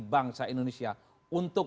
bangsa indonesia untuk